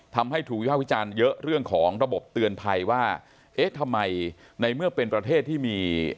ทำให้ถูกวิภาควิจารณ์เยอะเรื่องของระบบเตือนภัยว่าเอ๊ะทำไมในเมื่อเป็นประเทศที่มี